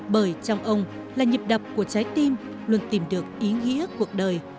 bởi trong ông là nhịp đập của trái tim luôn tìm được ý nghĩa cuộc đời